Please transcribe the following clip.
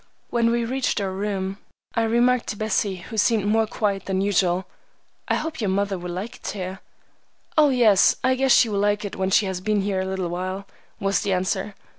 When we reached our room, I remarked to Bessie, who seemed more quiet than usual, "I hope your mother will like it here." "Oh, yes, I guess she will like it when she has been here a little while," was the answer.